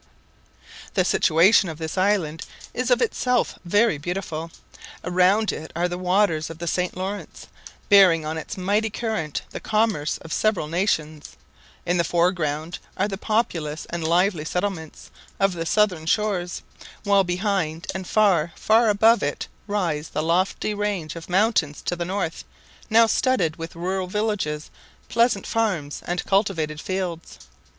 The situation of this island is of itself very beautiful. Around it are the waters of the St. Laurence, bearing on its mighty current the commerce of several nations: in the foreground are the populous and lively settlements of the southern shores, while behind and far, far above it rise the lofty range of mountains to the north, now studded with rural villages, pleasant farms, and cultivated fields.